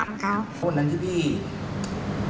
ก็ไม่รู้ว่าฟ้าจะระแวงพอพานหรือเปล่า